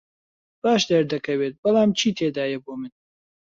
باش دەردەکەوێت، بەڵام چی تێدایە بۆ من؟